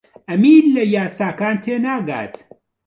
ئەمیر لە یاساکان تێناگات.